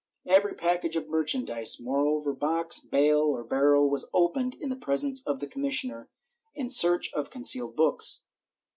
Every package of merchandise, moreover — box, bale or barrel — was opened in presence of the commissioner in search of concealed books.